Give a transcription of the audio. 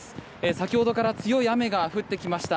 先ほどから強い雨が降ってきました。